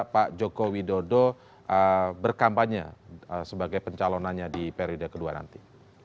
pak joko widodo berkampanye sebagai pencalonannya di periode kedua nanti